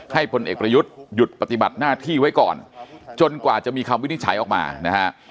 พลเอกประยุทธ์หยุดปฏิบัติหน้าที่ไว้ก่อนจนกว่าจะมีคำวินิจฉัยออกมานะฮะ